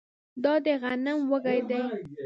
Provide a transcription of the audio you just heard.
دا د غنم وږی دی